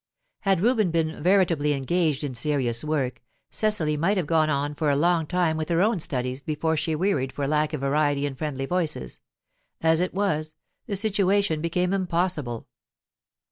Had Reuben been veritably engaged in serious work, Cecily might have gone on for a long time with her own studies before she wearied for lack of variety and friendly voices; as it was, the situation became impossible.